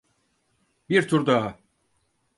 Bir tur daha.